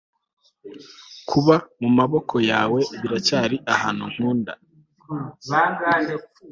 kuba mumaboko yawe biracyari ahantu nkunda